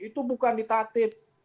itu bukan di tatip